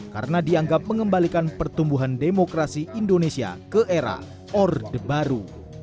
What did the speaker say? karena dianggap mengembalikan pertumbuhan demokrasi indonesia ke era orde baru